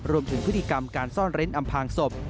รวมถึงพฤติกรรมการซ่อนเร้นอำพางศพ